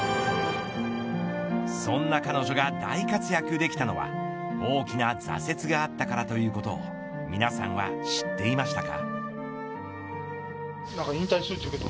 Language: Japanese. そんな彼女が大活躍できたのは大きな挫折があったからということを皆さんは知っていましたか。